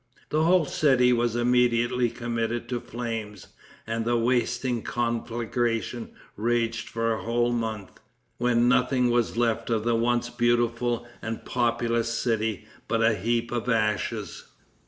The whole city was immediately committed to flames, and the wasting conflagration raged for a whole month, when nothing was left of the once beautiful and populous city but a heap of ashes.